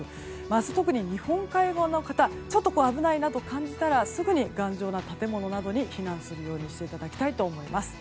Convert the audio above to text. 明日特に日本海側の方ちょっと危ないなと感じたらすぐに頑丈な建物などに避難するようにしてください。